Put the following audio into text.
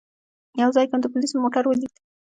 یو ځای کې مې د پولیسو موټر ولید.